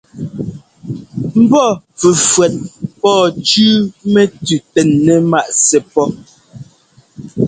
Mbɔ́ fʉ́fʉ́ét pɔ̌ɔ cʉ́ʉ mɛtʉʉ tɛnɛ́ ŋmǎʼ sɛ́ pɔ́.